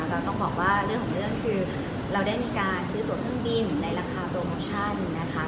เรียกว่าเราได้ซื้อตัวเพื่องบินในราคาโปรโอมอคชั่นนะคะ